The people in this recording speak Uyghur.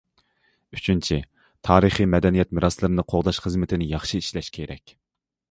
ئۈچىنچى، تارىخىي مەدەنىيەت مىراسلىرىنى قوغداش خىزمىتىنى ياخشى ئىشلەش كېرەك.